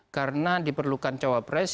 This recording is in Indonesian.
karena diperlukan cawapres